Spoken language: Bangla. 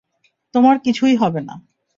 তোমার কিছুই হবে না!